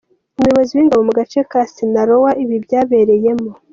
Umuyobozi w’ingabo mu gace ka Sinaloa ibi byabereyemo, Gen.